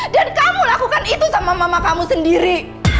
dan kamu lakukan itu sama mama kamu sendiri